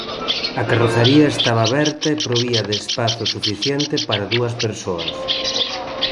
A carrozaría estaba aberta e provía de espazo suficiente para dúas persoas.